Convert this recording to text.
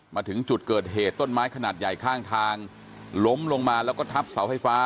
มาถึงจุดเกิดเหตุต้นไม้ขนาดใหญ่ข้างทางล้มลงมาแล้วก็ทับเสาไฟฟ้า